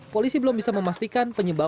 polisi belum bisa memastikan penyebab